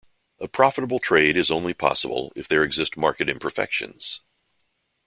A profitable trade is only possible if there exist market imperfections.